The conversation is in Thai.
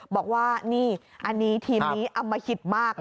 บอกว่านี่อันนี้ทีมนี้อมหิตมาก